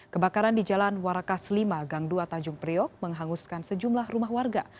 kebakaran di jalan warakas lima gang dua tanjung priok menghanguskan sejumlah rumah warga